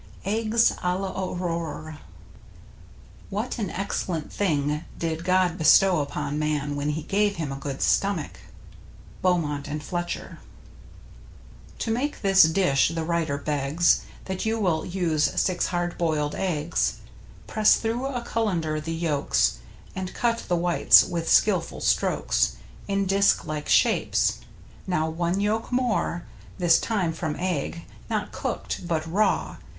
r EGGS A L'AURORE What an excellent thing did God bestow upon man when he gave him a good stomach. — Beaumont and Fletcher. To make this dish the writer begs That you will use six hard boiled eggs. Press through a colander the yolks, And cut the whites with skilful strokes In disc like shapes. Now one yolk more, This time from egg, not cooked, but raw.